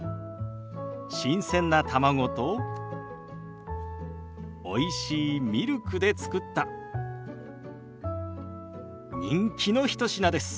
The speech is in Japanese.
新鮮な卵とおいしいミルクで作った人気の一品です。